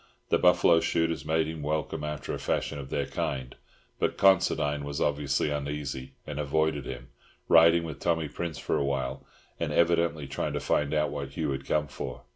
The buffalo shooters made him welcome after the fashion of their kind; but Considine was obviously uneasy, and avoided him, riding with Tommy Prince for a while, and evidently trying to find out what Hugh had come for.